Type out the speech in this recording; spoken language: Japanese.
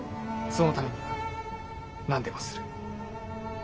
そのためには何でもする。